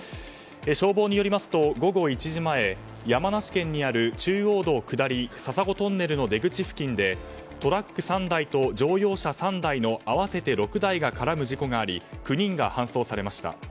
消防によりますと午後１時前、山梨県にある中央道下り笹子トンネルの出口付近でトラック３台と乗用車３台の合わせて６台が絡む事故があり９人が搬送されました。